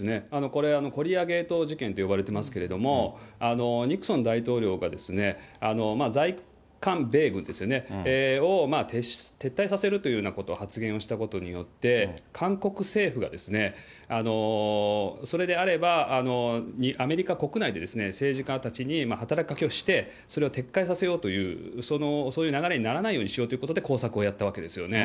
これ、コリアゲート事件と呼ばれてますけれども、ニクソン大統領が在韓米軍を撤退させるというようなことを発言をしたことによって、韓国政府が、それであれば、アメリカ国内で政治家たちに働きかけをして、それを撤回させようという、そういう流れにならないようにしようということで、工作をやったわけですよね。